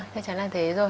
thế chẳng là thế rồi